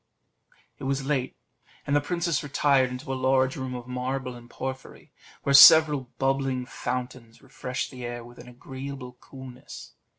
It was late, and the princess retired into a large room of marble and porphyry, where several bubbling fountains refreshed the air with an agreeable coolness.